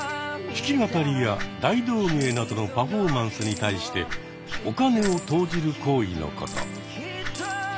弾き語りや大道芸などのパフォーマンスに対してお金を投じる行為のこと。